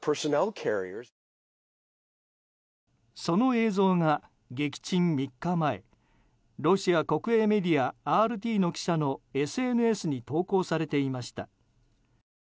その映像が、撃沈３日前ロシア国営メディアＲＴの記者のＳＮＳに投稿されていました。